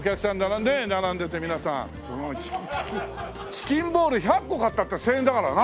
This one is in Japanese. チキンボール１００個買ったって１０００円だからな。